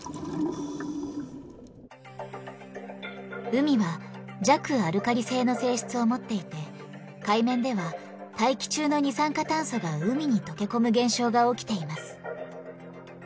海は弱アルカリ性の性質を持っていて海面では大気中の二酸化炭素が海に溶け込む現象が起きています。